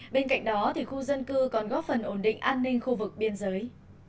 bên cạnh đó khu dân cư còn góp phần ổn định an ninh khu vực biên giới